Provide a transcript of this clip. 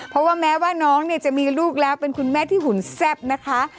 เพราะว่าแม้ว่าน้องเนี่ยจะมีลูกแล้วเป็นคุณแม่ที่หุ่นแซ่บนะคะ